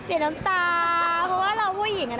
เสียน้ำตาเพราะว่าเราผู้หญิง